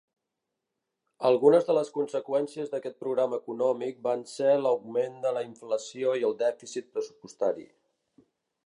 Algunes de les conseqüències d'aquest programa econòmic van ser l'augment de la inflació i el dèficit pressupostari.